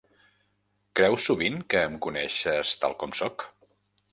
Creus sovint que em coneixes tal com soc?